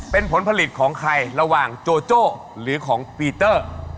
เป็นผลผลิตของใครระหว่างโจโจ้หรือของปีเตอร์